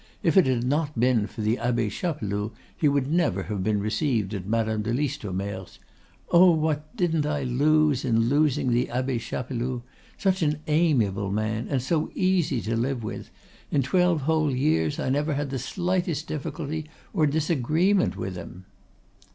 "If it had not been for the Abbe Chapeloud he would never have been received at Madame de Listomere's. Oh, what didn't I lose in losing the Abbe Chapeloud! Such an amiable man, and so easy to live with! In twelve whole years I never had the slightest difficulty or disagreement with him."